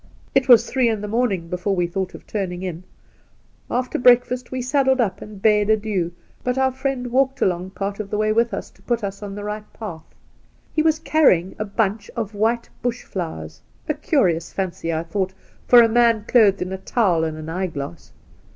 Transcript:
It was three in the morning before we thought of turning in. After breakfast we saddled The Outspan 25 up and bade adieu, but our friend walked along part of tfie'^way with us to put us on the right path. H64:?,was carrying a bunch of white Bush flowers^^a curious fancy, I thought, for a man clothed in a towel and an eyeglass.